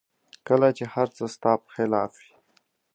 کله چې هر څه ستا په خلاف وي